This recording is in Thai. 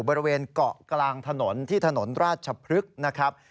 บริเวณเกาะกลางถนนที่ถนนราชพฤกษ์นะครับ